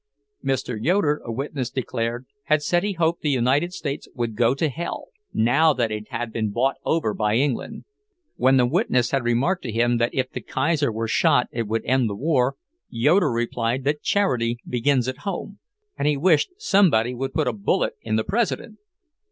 Mr. Yoeder, a witness declared, had said he hoped the United States would go to Hell, now that it had been bought over by England. When the witness had remarked to him that if the Kaiser were shot it would end the war, Yoeder replied that charity begins at home, and he wished somebody would put a bullet in the President.